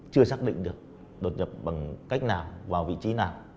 chưa xác định được đột nhập bằng cách nào vào vị trí nào